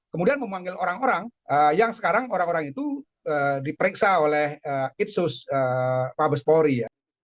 kemudian memanggil orang orang yang sekarang orang orang itu diperiksa oleh itsus mabes polri